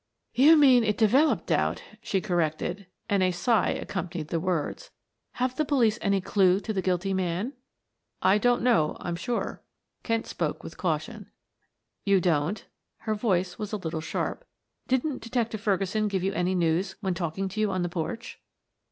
"You mean it developed doubt," she corrected, and a sigh accompanied the words. "Have the police any clew to the guilty man?" "I don't know, I'm sure," Kent spoke with caution. "You don't?" Her voice was a little sharp. "Didn't Detective Ferguson give you any news when talking to you on the porch?"